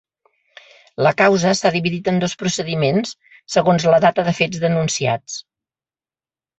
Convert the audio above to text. La causa s’ha dividit en dos procediments, segons la data de fets denunciats.